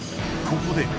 ここで。